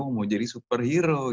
mau jadi superhero